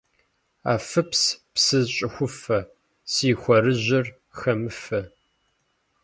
Афыпс, псы щӀыхуфэ, си хуарэжьыр хэмыфэ.